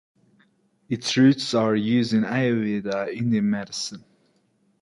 Its roots are used in ayurveda Indian medicine.